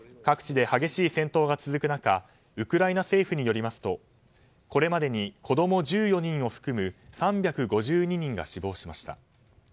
各地で激しい戦闘が続く中ウクライナ政府によりますとこれまでに子供１４人を含む３５２人が死亡しました。